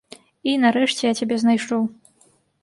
І, нарэшце, я цябе знайшоў.